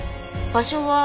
場所は。